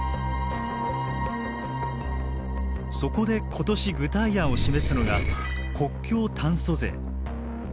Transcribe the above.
そこで今年具体案を示すのが国境炭素税。